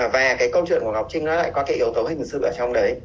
và cái câu chuyện của ngọc trinh nó lại có cái yếu tố hình sự ở trong đấy